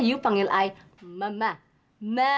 you panggil ayah mama